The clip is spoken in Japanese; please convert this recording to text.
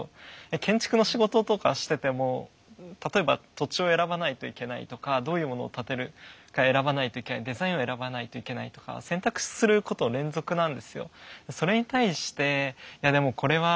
建築の仕事とかしてても例えば土地を選ばないといけないとかどういうものを建てるか選ばないといけないデザインを選ばないといけないとか選択することの連続なんですよ。